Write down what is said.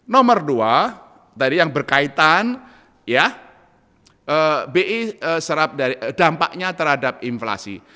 nomor dua tadi yang berkaitan bi dampaknya terhadap inflasi